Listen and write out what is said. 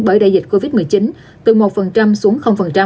bởi đại dịch covid một mươi chín từ một xuống